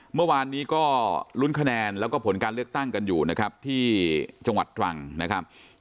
เมื่อวานนี้ก็ลุ้นคะแนนแล้วก็ผลการเลือกตั้งกันอยู่นะครับที่จังหวัดตรังนะครับ